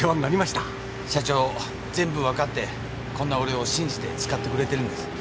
社長全部わかってこんな俺を信じて使ってくれてるんです。